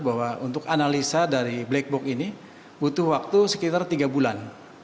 bahwa untuk analisa dari black box ini butuh waktu sekitar tiga bulan